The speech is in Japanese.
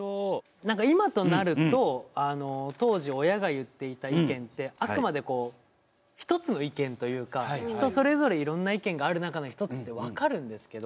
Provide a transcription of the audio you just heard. なんか、今となると当時、親が言っていた意見ってあくまで、一つの意見というか人それぞれいろんな意見がある中の一つって分かるんですけど。